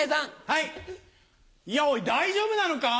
いやおい大丈夫なのか？